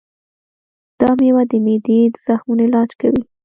دا مېوه د معدې د زخمونو علاج کوي.